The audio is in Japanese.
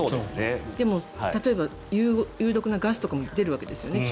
でも、有毒なガスとかは出てくるわけですよね。